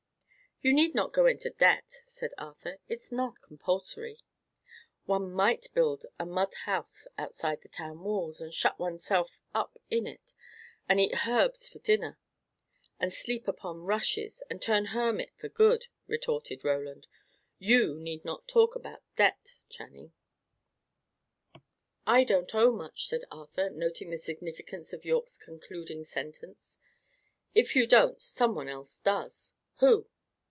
"You need not get into debt," said Arthur. "It is not compulsory." "One might build a mud hut outside the town walls, and shut one's self up in it, and eat herbs for dinner, and sleep upon rushes, and turn hermit for good!" retorted Roland. "You need not talk about debt, Channing." "I don't owe much," said Arthur, noting the significance of Yorke's concluding sentence. "If you don't, some one else does." "Who?"